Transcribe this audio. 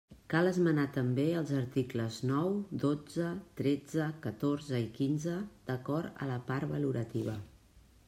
Cal esmenar també els articles nou, dotze, tretze, catorze i quinze d'acord a la part valorativa.